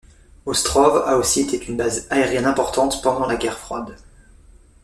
Ostrov a aussi été une base aérienne importante pendant la guerre froide.